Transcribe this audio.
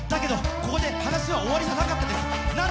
でも話は終わりじゃなかったんです。